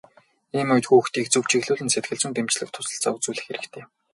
Ийм үед хүүхдийг зөв чиглүүлэн сэтгэл зүйн дэмжлэг туслалцаа үзүүлэх хэрэгтэй.